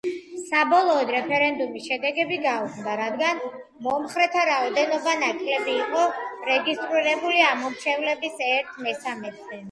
საბოლოოდ რეფერენდუმის შედეგები გაუქმდა, რადგან მომხრეთა რაოდენობა ნაკლები იყო რეგისტრირებული ამომრჩევლების ერთ მესამედზე.